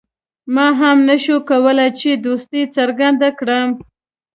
ما هم نه شو کولای چې دوستي څرګنده کړم.